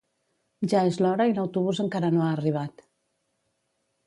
Ja és l'hora i l'autobús encara no ha arribat